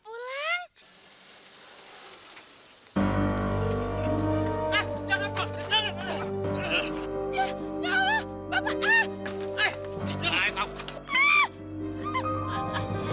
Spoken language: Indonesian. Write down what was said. pak sakar burung kok taruh di atas makanan pak nanti kena kotorannya pak